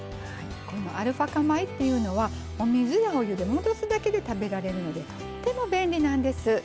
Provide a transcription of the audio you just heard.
アルファ化米っていうのはお水やお湯で戻すだけで食べられるのでとっても便利なんです。